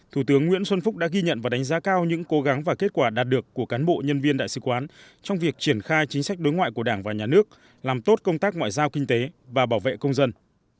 thủ tướng nguyễn xuân phúc đã ghi nhận và đánh giá cao những cố gắng và kết quả đạt được của cán bộ nhân viên đại sứ quán trong việc triển khai chính sách đối ngoại của đảng và nhà nước làm tốt công tác ngoại giao kinh tế và bảo vệ công dân